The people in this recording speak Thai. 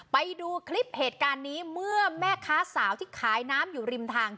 ไปดูคลิปเหตุการณ์นี้เมื่อแม่ค้าสาวที่ขายน้ำอยู่ริมทาง